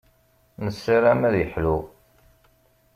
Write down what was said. Nessaram ad iḥlu.